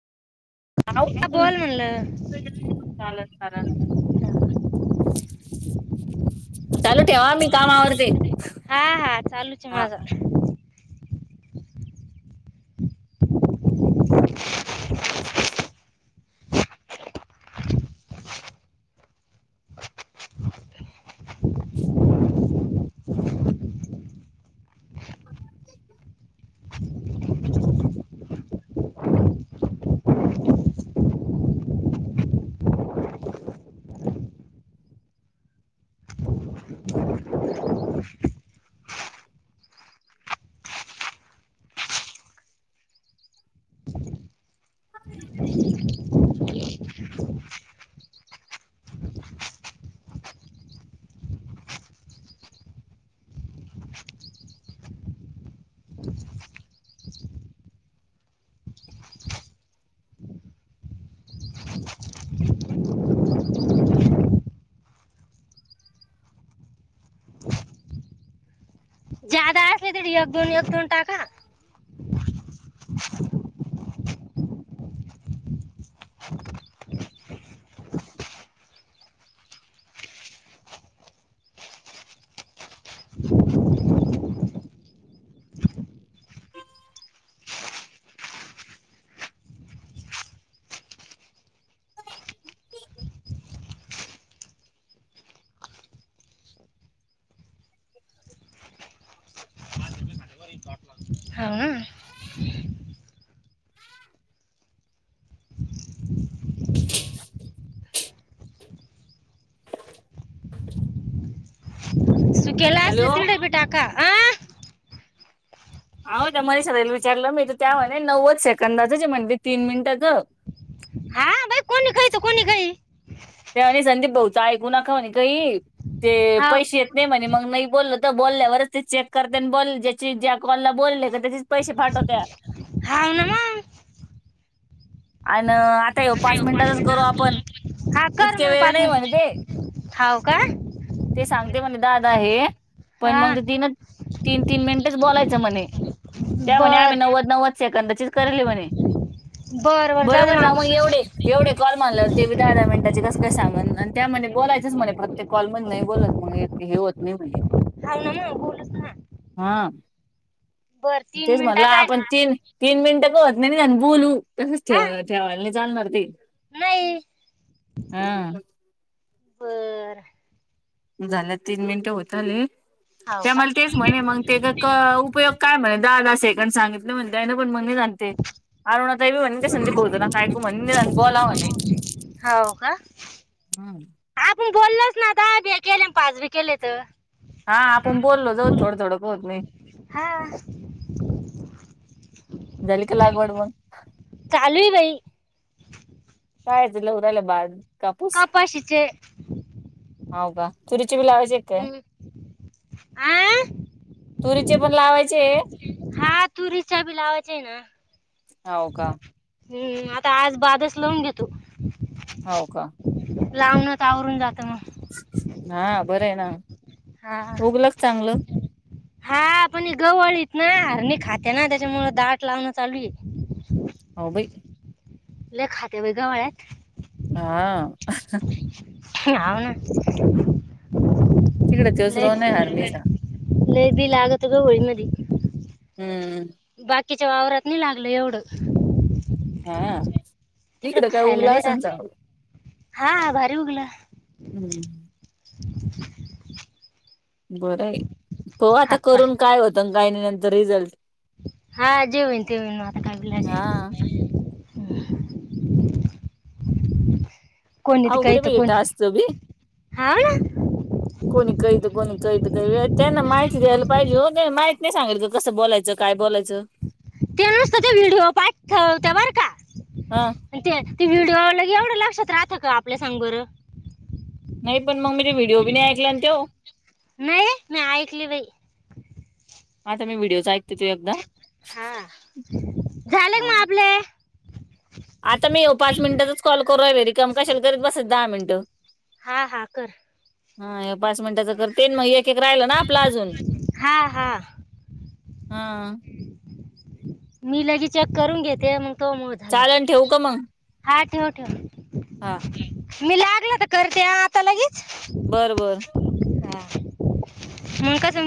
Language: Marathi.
आु हा बोल म्हणलं चालल चाल चालू ठेवा मी कामावरते हा हा चालूच माझा ह जादा असले तरी एक दोन एक दोन टाका एकप हा. सुकेला असले हॅलो तिडपी टाका ह आओ ते मनिषा ताईंना विचारलं मी त हो नवच सेकंडाच म्हणे क तीन मिनटाच हा बाई कोणी काही तो कोणी काही ते म्हणे संदीप भाऊचा ऐकू नका म्हणे काही ते हा पैसे येत नाही म्हणे मग मग बोललो तर बोलल्यावरच ते चेक करते आणि बोल ज्याची ज्या कॉलला बोलले का त्याचेच पैसे पाठवतात हाव ना मग अ आता येऊ पाच मिनिटातच करू आपण हा कर इतके मग वेळ पाच नाही म्हणे ते मिनिट हाव का ते सांगते म्हणे दा आहे पण हा मग ते तीन तीन तीन मिनिटेच बोलायचं म्हणे त्यामुळेणे बर आम्ही नव्वद नव्वद सेकंदाचीच करली म्हणे बर बर जा दे बरोबर ना मामा मग एवढेच एवढे कॉल मानल्यावर ते दहा दहा मिनिटाचे कसं काय सांगन आणि त्याणे बोलायचंच म्हणे प्रत्येक कॉल मध्ये नाही बोलत मग हे होत नाही म्हणे हॅलो. हा. बर तीन तेच म्हणलं मिनिटाचा आहे आपण तीन तीन मिनिटं होत नाही बोलू तसंच हा ठेवू ठेवायला नाही चालणार ते नाही हम्म. बर झाल्या तीन मिनिटे होतले हाव त्या का मला तेच म्हणे मग त्याचा उपयोग काय म्हणेल दहा दहा सेकंड सांगितले म्हणतेय ना पण मग जाणते अरुणा ताई हीबी म्हणे ते संदीप भाऊच होत नका ऐकू म्हणे बोला म्हणे हो का. हम्म. बोललच ना आ बी केले पाच बी केले तर हा आपण बोललो जाऊ थोडं थोडं कोत नाही हा झाली लागवड मग तर चालू बाई कायची लाहुरला बाद का पाक्षच हो का चुरीचे बि लावाज एकय? आ तुरीचे पण लावायचे हा तुरी चा बी लावाच आहे ना हाव का हम्म आता आज बादास लावून घेतो होव का लांबणत आवरून जातं मग हा बरं आहे ना हा. उगलग चांगलं हा पण गवळीतन हरणी खाते ना त्याच्यामुळे दाट लावूनच आलुय हो बाई ले खात बाई गवळ्यात हा. हव ना तिकडे तोच रोन लईच आहे हरणीचा लई बी लागत होत होळी मधी हम्म बाद कीच्या वावरात नी लागलंय एवढंच हा तिकडं काय खायला उमला [unintelligible] नाही राहत काय सांग हा भारी हुगल हम्म [unintelligible] बरं आय पहू आता हातपाय करून काय होत न काय नाही याचं रिझल्ट हा जे होईन ते हुईन मता काला हा [unintelligible] कोणी ती काय अवघड तर बाई कोणी टास्क च बी हाव ना कविता तई ला माहितीय ना माहिती द्यायला पाहिजे हो क माहती सांगायचं कसं बोलायचं काय बोलायचं ते नुसत ते व्हिडिओ पाठवते बर का हा ते ते व्हिडिओ आल की एवढं लक्षात राहतां का आपल्या सांग बरं न्हय पण मग मी ते व्हिडिओ बी नाही ऐकलान तो नाही मी ऐकली बाई [unintelligible] आता मी व्हिडिओच त्यो एकदा हा झाले का हा मग आपले आता मी येऊ पाच मिनिटातच कॉल करू आय वेरिकम कशेल करीत बसत दहा मिनिटं हा हा कर हा हे पाच मिनिटाचं करते मग एक एक राहिलं ना आपलं अजून हा हा हा मी लगे चेक करून घेते मग तो मूळ झाल चालेल ठेवू का मग? हा ठेव ठेव हा मी लागलं तर करते आ आता लगे बर बर मुलकाच